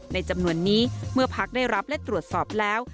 ในจำนวนนี้เมื่อพักได้รับและตรวจสอบแล้ว